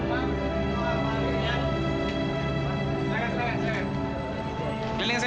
kamu selama banget sih nyuci ya